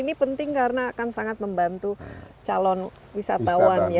ini penting karena akan sangat membantu calon wisatawan ya